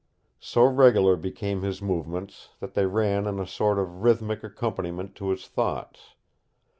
So regular became his movements that they ran in a sort of rhythmic accompaniment to his thoughts.